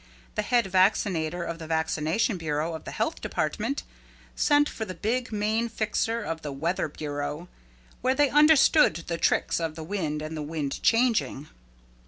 The head vaccinator of the vaccination bureau of the health department sent for the big main fixer of the weather bureau where they understand the tricks of the wind and the wind changing.